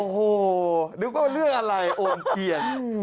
โอ้โหนึกว่าเรื่องอะไรโอมเกียร